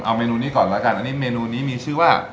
เอาเมนูนี้ก่อนแล้วกันอันนี้เมนูนี้มีชื่อว่า